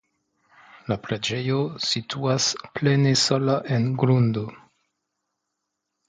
La preĝejo situas plene sola en grundo.